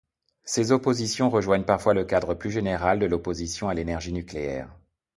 Ces oppositions rejoignent parfois le cadre plus général de l’opposition à l’énergie nucléaire.